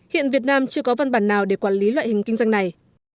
hiện việt nam chưa có văn bản nào để quản lý loại hình kinh doanh này